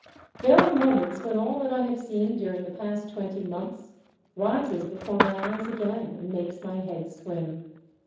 There are moments when all that I have seen during the past twenty months rises before my eyes again, and makes my head swim.